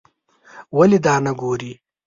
ولې دا نه ګورې.